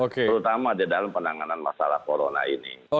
terutama di dalam penanganan masalah corona ini